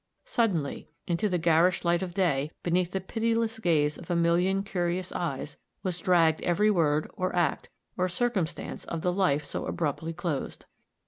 Suddenly, into the garish light of day, beneath the pitiless gaze of a million curious eyes, was dragged every word, or act, or circumstance of the life so abruptly closed.